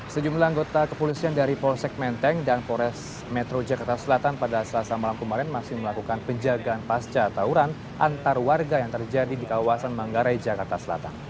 sejumlah anggota kepolisian dari polsek menteng dan polres metro jakarta selatan pada selasa malam kemarin masih melakukan penjagaan pasca tauran antar warga yang terjadi di kawasan manggarai jakarta selatan